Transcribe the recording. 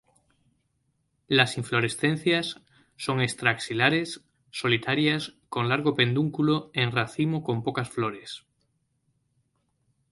Las inflorescencias son extra-axilares, solitarias, con largo pedúnculo, en racimo con pocas flores.